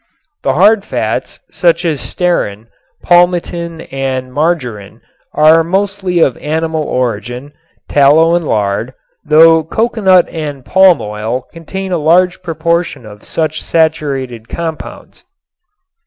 The hard fats, such as stearin, palmitin and margarin, are mostly of animal origin, tallow and lard, though coconut and palm oil contain a large proportion of such saturated compounds.